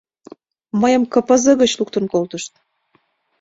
Мыйым кыпызы гыч луктын колтышт.